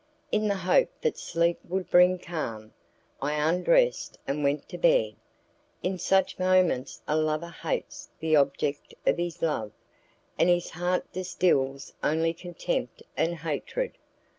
In the hope that sleep would bring calm, I undressed and went to bed. In such moments a lover hates the object of his love, and his heart distils only contempt and hatred.